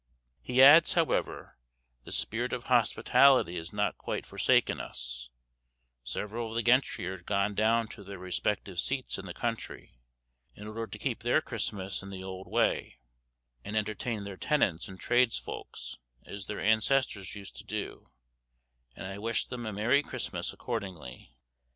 He adds, however, "the spirit of hospitality has not quite forsaken us; several of the gentry are gone down to their respective seats in the country, in order to keep their Christmas in the old way, and entertain their tenants and tradesfolks as their ancestors used to do; and I wish them a merry Christmas accordingly."